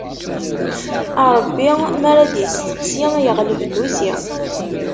Ṛebbi mi ara d isteqsi, yeɣleb llusi.